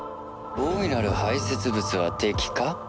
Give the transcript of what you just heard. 大いなる排泄物は敵か？